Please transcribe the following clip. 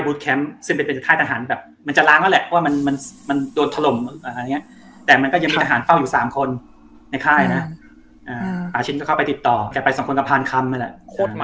อะไรครับเออผมก็จะมาขอซื้ออุปกรณ์เนี้ยมันพังแล้ว